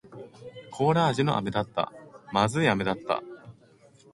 コーラ味の飴だった。不味い飴だった。